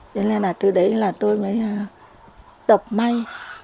cho nên là từ đấy là tôi mới tập may